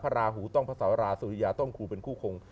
ราหูต้องพระสาราสุริยาต้องครูเป็นคู่คง